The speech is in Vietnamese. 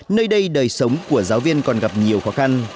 nơi đây đời sống của giáo viên còn gặp nhiều khó khăn